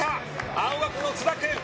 青学の津田君。